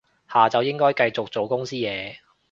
下晝應該繼續做公司嘢